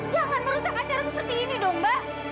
jangan merusak acara seperti ini dong mbak